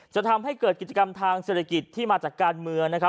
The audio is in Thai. จะทำให้เกิดกิจกรรมทางเศรษฐกิจที่มาจากการเมืองนะครับ